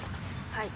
はい。